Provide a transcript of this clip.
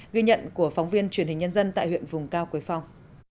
ghi nhận của phóng viên truyền hình nhân dân tại huyện vùng cao quế phong